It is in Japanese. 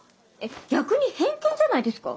逆に偏見じゃないですか？